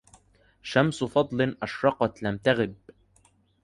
شمس فضل أشرقت لم تغب